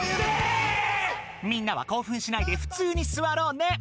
みんなはこうふんしないでふつうにすわろうね。